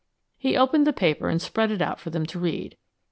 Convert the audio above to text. He opened the paper and spread it out for them to read.